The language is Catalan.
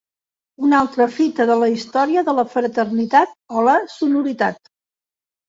Una altra fita de la història de la fraternitat o la sororitat.